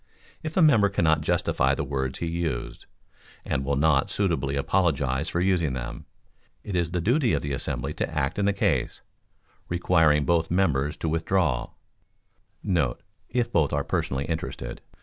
If a member cannot justify the words he used, and will not suitably apologize for using them, it is the duty of the assembly to act in the case, requiring both members to withdraw* [If both are personally interested.